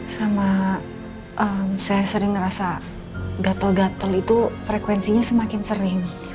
sama saya sering ngerasa gatel gatel itu frekuensinya semakin sering